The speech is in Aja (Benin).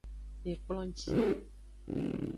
Ekplonji.